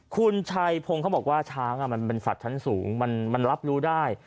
คุณชัยพงศ์เขาบอกว่าช้างมันเป็นสัตว์ชั้นสูงมันรับรู้ได้